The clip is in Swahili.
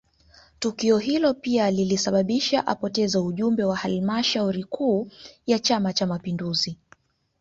Tukio hilo pia lilisababisha apoteze ujumbe wa halmashauri kuu ya chama cha mapinduzi